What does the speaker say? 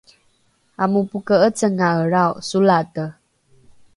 amopoke’ecengaelrao solate